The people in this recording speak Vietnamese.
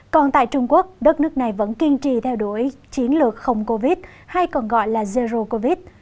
còn tại trung quốc đất nước này vẫn kiên trì theo đuổi chiến lược không covid hay còn gọi là zero covid